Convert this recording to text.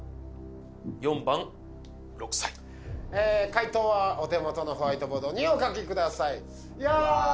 解答はお手元のホワイトボードにお書きくださいや